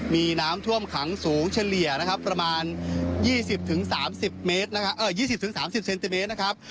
มีน้ำท่วมขังสูงเฉลี่ยนะครับประมาณ๒๐๓๐เซนติเมตรนะครับ